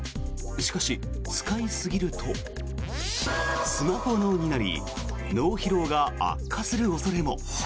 しかし、使いすぎるとスマホ脳になり脳疲労が悪化する恐れも。